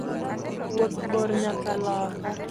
Wuoth bor nyaka loka.